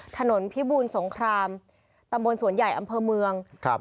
ถนนพิบูลสงครามตำบลสวนใหญ่อำเภอเมืองครับ